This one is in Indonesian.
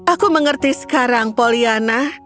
aku mengerti sekarang poliana